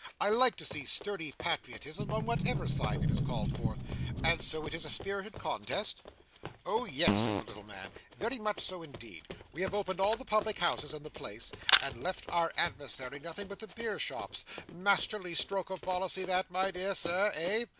'I like to see sturdy patriotism, on whatever side it is called forth and so it's a spirited contest?' 'Oh, yes,' said the little man, 'very much so indeed. We have opened all the public houses in the place, and left our adversary nothing but the beer shops masterly stroke of policy that, my dear Sir, eh?